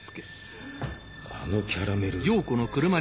あのキャラメル。